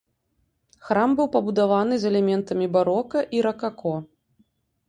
Храм быў пабудаваны з элементамі барока і ракако.